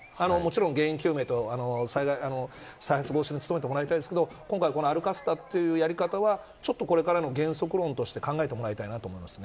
もちろん、原因究明と再発防止に努めてもらいたいですけど今回、歩かせたというやり方はこれからの原則論として考えてもらいたいと思います。